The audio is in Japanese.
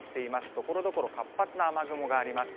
ところどころ、活発な雨雲があります。